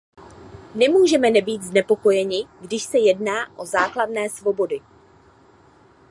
Nemůžeme nebýt znepokojeni, když se jedná o základné svobody.